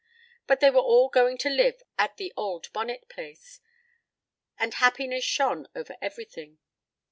But they were all going to live at the old Bonnet place, and happiness shone over everything.